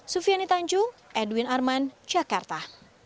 sufiani tanjung edwin arman jakarta